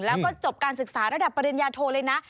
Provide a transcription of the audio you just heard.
แล้วก็จบการศึกษาระดับปริญญาโทเลยนะ